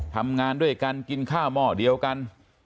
ทำงานด้วยกันกินข้าวหม้อเดียวกัน